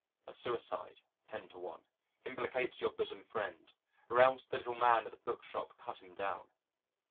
A suicide ten to one implicates your bosom friend, or else the little man at the bookshop cut him down.